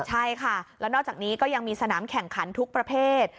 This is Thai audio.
ใช่ค่ะแล้วนอกจากนี้ก็ยังมีสนามแข่งขันทุกประเภท